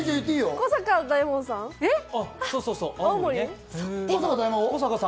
古坂大魔王さん？